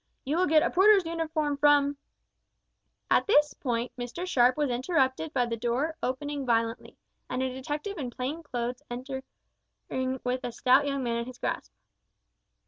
You will get a porter's uniform from " At this point Mr Sharp was interrupted by the door opening violently, and a detective in plain clothes entering with a stout young man in his grasp.